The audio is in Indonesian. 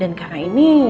dan karena ini